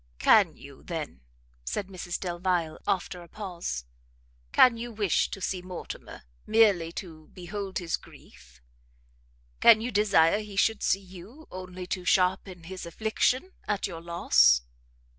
"Can you, then," said Mrs Delvile, after a pause, "can you wish to see Mortimer merely to behold his grief? Can you desire he should see you, only to sharpen his affliction at your loss?"